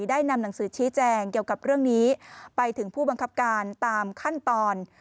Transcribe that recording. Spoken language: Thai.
ได้นำหนังสือชี้แจงเกี่ยวกับเรื่องนี้ไปถึงผู้บังคับการตามขั้นตอน